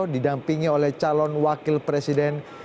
didampingi oleh calon wakil presiden